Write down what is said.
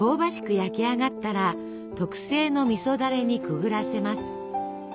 焼き上がったら特製のみそだれにくぐらせます。